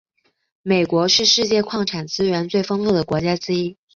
美国是世界矿产资源最丰富的国家之一。